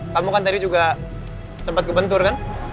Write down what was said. kamu kan tadi juga sempat ke bentur kan